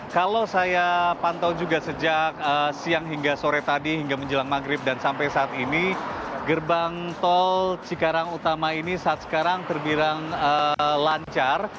kalau saya pantau juga sejak siang hingga sore tadi hingga menjelang maghrib dan sampai saat ini gerbang tol cikarang utama ini saat sekarang terbilang lancar